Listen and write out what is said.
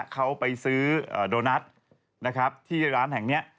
เขาไปซื้อโดนัทที่ร้านแห่งนี้